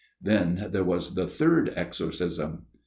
" Then there was the third exorcism."